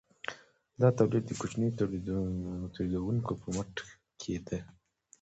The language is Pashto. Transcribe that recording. دا تولید د کوچنیو تولیدونکو په مټ کیده.